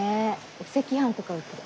お赤飯とか売ってる。